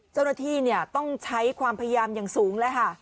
เจ้าหน้าที่ต้องใช้ความพยายามอย่างสูงแล้วค่ะ